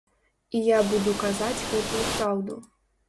І я буду казаць гэтую праўду.